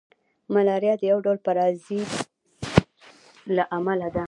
ملاریا د یو ډول پرازیت له امله ده